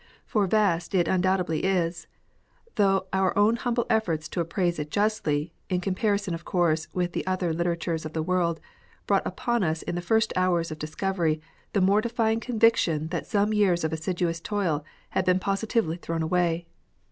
For vast it undoubtedly is, though our own humble efi"orts to appraise it justly, in comparison of course with the other literatures of the world, brought upon us in the first hours of dis covery the mortifying conviction that some years of assiduous toil had been positively thrown away.